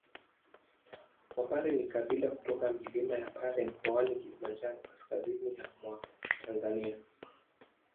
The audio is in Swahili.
Wapare ni kabila kutoka milima ya Pare Mkoani Kilimanjaro kaskazini ya mwa Tanzania